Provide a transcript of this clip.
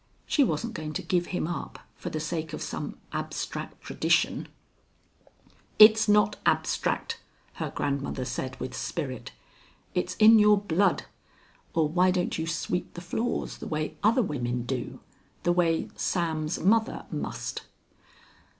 She wasn't going to give him up for the sake of some abstract tradition " it's not abstract," her grandmother said with spirit. "It's in your blood. Or why don't you sweep the floors the way other women do? The way Sam's mother must?"